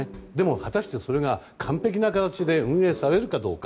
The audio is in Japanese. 果たしてそれが完璧な形で運営されるかどうか。